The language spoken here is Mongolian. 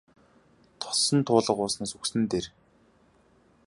Тосон туулга ууснаас үхсэн нь дээр.